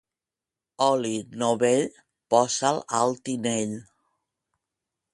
Oli novell, posa'l al tinell.